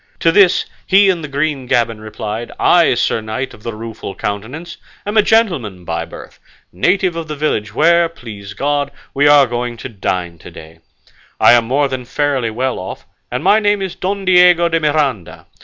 To this, he in the green gaban replied "I, Sir Knight of the Rueful Countenance, am a gentleman by birth, native of the village where, please God, we are going to dine to day; I am more than fairly well off, and my name is Don Diego de Miranda.